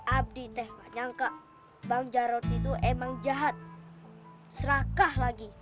abdi teh gak nyangka bang jarod itu emang jahat serakah lagi